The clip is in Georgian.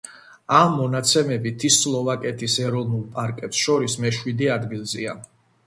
ამ მონაცემებით ის სლოვაკეთის ეროვნულ პარკებს შორის მეშვიდე ადგილზეა.